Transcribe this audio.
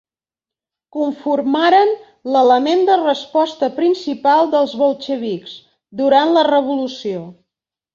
Conformaren l'element de resposta principal dels bolxevics durant la Revolució.